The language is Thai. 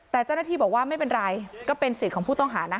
แต่เจ้าหน้าที่บอกว่าไม่เป็นไรก็เป็นสิทธิ์ของผู้ต้องหานะ